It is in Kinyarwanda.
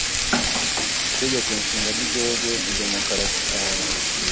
Itegekonshinga ry'igihugu ni demokarasi cyane.